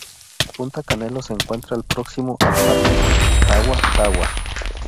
Punta Canelo se encuentra próximo al Parque Tagua Tagua.